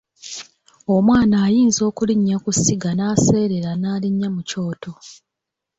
Omwana ayinza okulinnya ku ssiga n’aseerera n’alinnya mu kyoto.